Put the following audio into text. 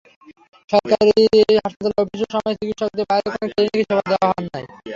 সরকারি হাসপাতালের অফিস সময়ে চিকিৎসকদের বাইরে কোনো ক্লিনিকে সেবা দেওয়া অন্যায়।